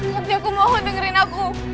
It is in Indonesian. tapi aku mohon dengerin aku